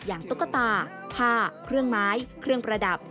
ตุ๊กตาผ้าเครื่องไม้เครื่องประดับ